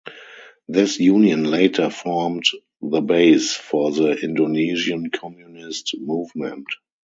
This union later formed the base for the Indonesian communist movement.